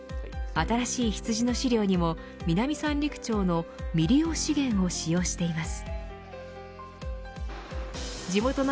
新しい羊の飼料にも南三陸町の未利用資源を使用しています。